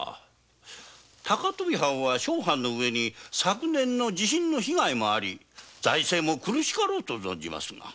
高富藩は小藩の上に去年の地震の被害もあり財政も苦しかろうと存じますが。